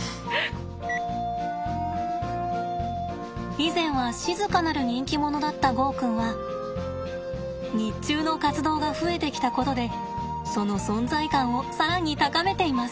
以前は静かなる人気者だったゴーくんは日中の活動が増えてきたことでその存在感を更に高めています。